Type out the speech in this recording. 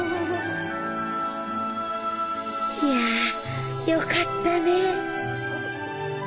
いやよかったね